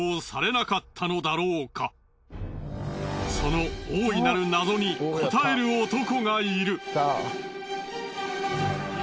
その大いなる謎に答える男がいる。